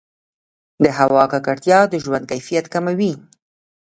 د هوا ککړتیا د ژوند کیفیت کموي.